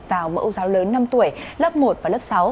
vào mẫu giáo lớn năm tuổi lớp một và lớp sáu